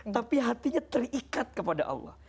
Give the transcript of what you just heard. tapi hatinya terikat kepada allah